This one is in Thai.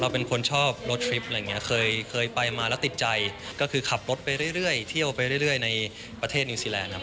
เป็นคนชอบรถทริปอะไรอย่างนี้เคยไปมาแล้วติดใจก็คือขับรถไปเรื่อยเที่ยวไปเรื่อยในประเทศนิวซีแลนดครับ